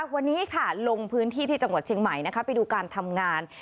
วันนี้ค่ะลงพื้นที่ที่จังหวัดเชียงใหม่ไปดูการทำงาน